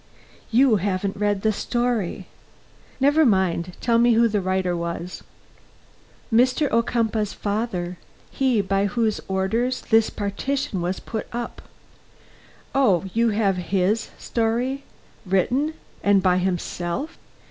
"You haven't read the story." "Never mind; tell me who the writer was." "Mr. Ocumpaugh's father; he, by whose orders this partition was put up." "Oh, you have his story written and by himself!